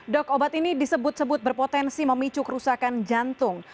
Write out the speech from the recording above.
dok obat ini disebut sebut berpotensi memicu kerusakan jantung